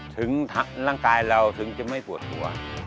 ถึงร่างกายเราจะไม่ปวดหัว